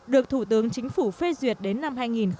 được thủ tướng chính phủ phê duyệt đến năm hai nghìn hai mươi